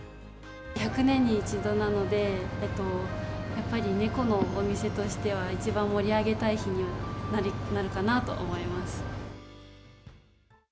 １００年に１度なので、やっぱり猫のお店としては、一番盛り上げたい日にはなるかなと思います。